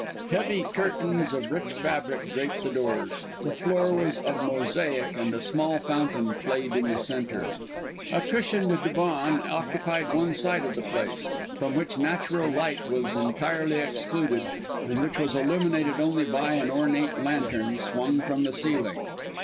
Heavy curtains of rich fabric draped the doors. The floor was of mosaic, and a small fountain played in the centre. A cushioned divan occupied one side of the place, from which natural light was entirely excluded and which was illuminated only by an ornate lantern swung from the ceiling.